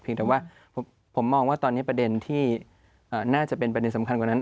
แต่ว่าผมมองว่าตอนนี้ประเด็นที่น่าจะเป็นประเด็นสำคัญกว่านั้น